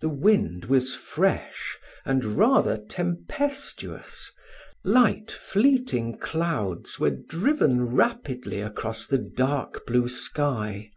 The wind was fresh, and rather tempestuous: light fleeting clouds were driven rapidly across the dark blue sky.